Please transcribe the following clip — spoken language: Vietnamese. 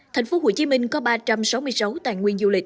tp hcm có ba trăm sáu mươi sáu khách sạn